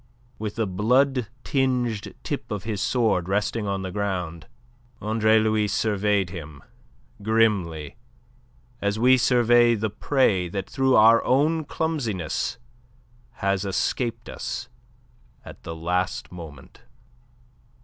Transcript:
With the blood tinged tip of his sword resting on the ground, Andre Louis surveyed him grimly, as we survey the prey that through our own clumsiness has escaped us at the last moment.